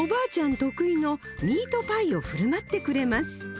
得意のミートパイを振る舞ってくれます